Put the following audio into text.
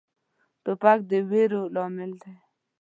توپک د ویرو لامل دی.